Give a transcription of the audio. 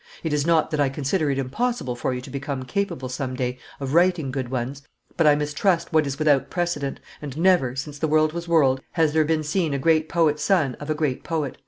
It is not that I consider it impossible for you to become capable some day of writing good ones, but I mistrust what is without precedent, and never, since the world was world, has there been seen a great poet son of a great poet."